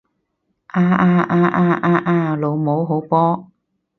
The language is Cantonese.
啊啊啊啊啊啊！老母好波！